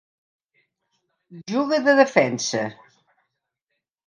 Juga de defensa.